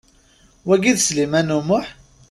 Wagi d Sliman U Muḥ?